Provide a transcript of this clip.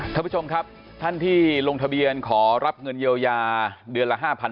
ท่านผู้ชมครับท่านที่ลงทะเบียนขอรับเงินเยียวยาเดือนละ๕๐๐